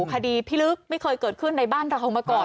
คดีพิลึกไม่เคยเกิดขึ้นในบ้านเรามาก่อน